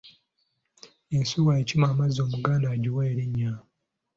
Ensuwa ekima amazzi omuganda yagiwa erinnya .